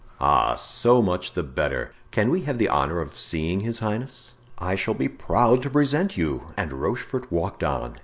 "Ah! so much the better! Can we have the honor of seeing his highness?" "I shall be proud to present you," and Rochefort walked on.